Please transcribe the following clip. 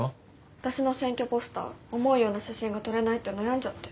私の選挙ポスター思うような写真が撮れないって悩んじゃって。